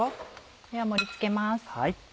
では盛り付けます。